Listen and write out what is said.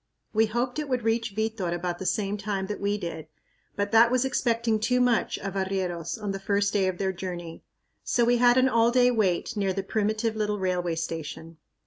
We hoped it would reach Vitor about the same time that we did, but that was expecting too much of arrieros on the first day of their journey. So we had an all day wait near the primitive little railway station.